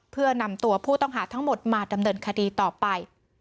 เพื่อนำตัวผู้ต้องหาทั้งหมดมาดำเนินคดีต่อไป